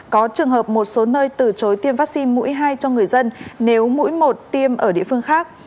có trường hợp một số nơi từ chối tiêm vaccine mũi hai cho người dân nếu mũi một tiêm ở địa phương khác